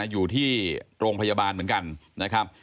อยู่ที่โรงพยาบาลเหมือนกันนะครับ